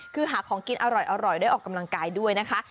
คือหาของกินอร่อยได้ออกกำลังกายด้วยนะคะ